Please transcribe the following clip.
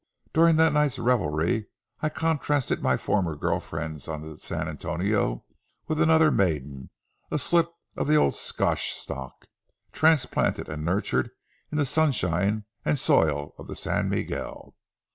During that night's revelry, I contrasted my former girl friends on the San Antonio with another maiden, a slip of the old Scotch stock, transplanted and nurtured in the sunshine and soil of the San Miguel.